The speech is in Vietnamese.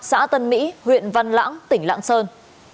xã tân mỹ huyện văn lãng tỉnh lạng sơn